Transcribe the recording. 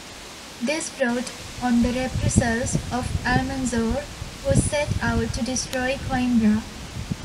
This brought on the reprisals of Almanzor, who set out to destroy Coimbra.